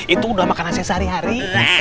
itu udah makanannya sehari hari